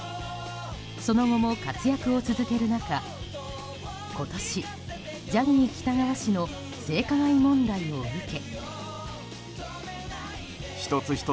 その後も活躍を続ける中今年、ジャニー喜多川氏の性加害問題を受け。